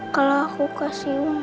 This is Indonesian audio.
kalau aku kasih ulang